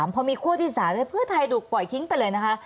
พอมีคั่วที่๓เพื่อไทยถูกปล่อยทิ้งไปเลยนะคะ